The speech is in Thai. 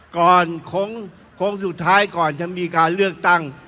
โค้งสุดท้ายก่อนจะมีการเลือกตั้ง